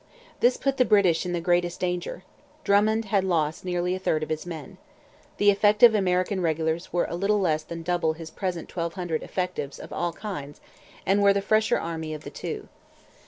This put the British in the greatest danger. Drummond had lost nearly a third of his men. The effective American regulars were little less than double his present twelve hundred effectives of all kinds and were the fresher army of the two.